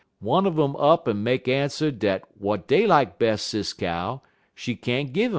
"One un um up en make answer dat w'at dey lak bes', Sis Cow, she can't gi' um.